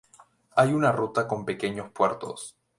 Hay una ruta con pequeños puertos.